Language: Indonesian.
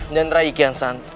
dan raikian santu